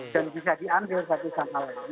dan bisa diambil satu sama lain